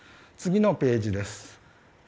次のページです。